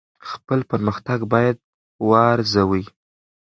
خپل پرمختګ باید وارزوئ.